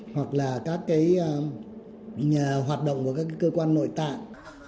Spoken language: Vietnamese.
hoặc là các cái hoạt động của các cơ quan nội tạng